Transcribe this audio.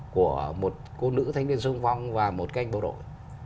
của một cô nữ thanh niên sung phong và một canh bộ đội